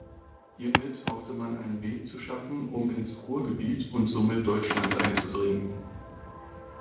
Hiermit hoffte man einen Weg zu schaffen, um ins Ruhrgebiet und somit Deutschland einzudringen.